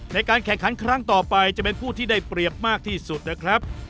ในการแข่งขันครั้งต่อไปจะเป็นผู้ที่ได้เปรียบมากที่สุดนะครับ